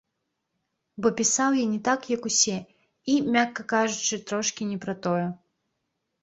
Бо пісаў я не так, як усе і, мякка кажучы, трошкі не пра тое.